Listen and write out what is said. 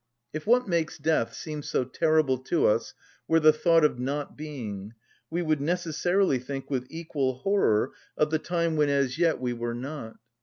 If what makes death seem so terrible to us were the thought of not being, we would necessarily think with equal horror of the time when as yet we were not.